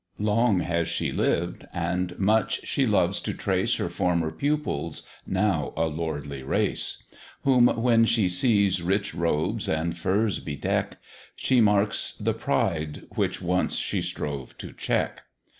Long has she lived, and much she loves to trace Her former pupils, now a lordly race; Whom when she sees rich robes and furs bedeck, She marks the pride which once she strove to check.